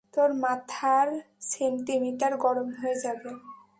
তোর মাথার সেন্টিমিটার গরম হয়ে যাবে।